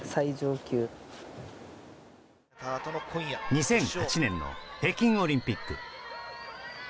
２００８年の北京オリンピック。